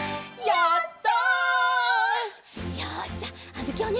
やった！